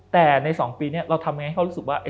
แต่ใน๒ปีนี้เราทำยังไงให้เขารู้สึกว่า